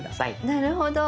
なるほど。